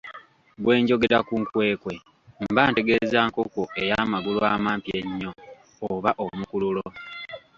Bwenjogera ku nkwekwe mba ntegeeza nkoko ey’amagulu amampi ennyo. oba omukululo.